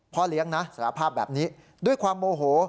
เลี้ยงนะสารภาพแบบนี้ด้วยความโมโห